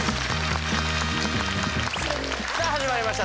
さあ始まりました